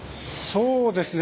そうですね